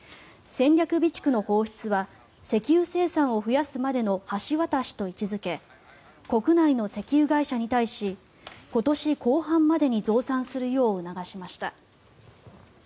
戦略備蓄の放出は石油生産を増やすまでの橋渡しと位置付け国内の石油会社に対し今年後半までに増産するよう促しました。